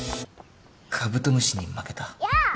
カブトムシに負けたヤ！